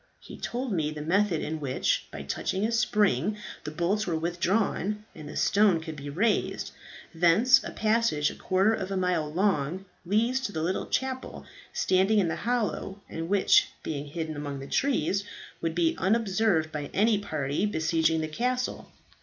He told me the method in which, by touching a spring, the bolts were withdrawn and the stone could be raised. Thence a passage a quarter of a mile long leads to the little chapel standing in the hollow, and which, being hidden among the trees, would be unobserved by any party besieging the castle.